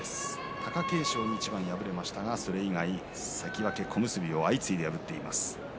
貴景勝に一番に敗れましたがそれ以外、関脇、小結を相次いで破っています。